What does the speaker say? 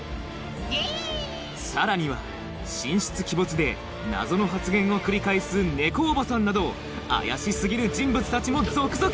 さらには神出鬼没で謎の発言を繰り返す猫おばさんなど怪し過ぎる人物たちも続々！